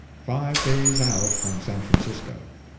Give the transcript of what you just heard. —Five days out from San Francisco.